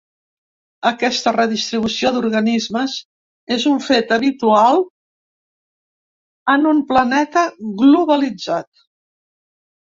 Aquesta redistribució d’organismes és un fet habitual en un planeta globalitzat.